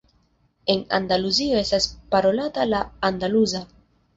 En Andaluzio estas parolata la andaluza.